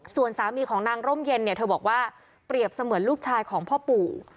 ส่วนสามีของนางร่มเย็นเนี่ยเธอบอกว่าเปรียบเสมือนลูกชายของพ่อปู่